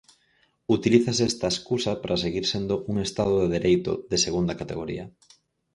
Utilízase esta escusa para seguir sendo un estado de dereito de segunda categoría.